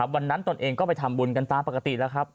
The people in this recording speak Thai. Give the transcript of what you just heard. ตนเองก็ไปทำบุญกันตามปกติแล้วครับ